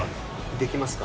できますか？